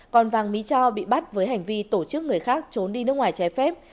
còn vàng mỹ cho bị bắt với hành vi tổ chức người khác trốn đi nước ngoài trái phép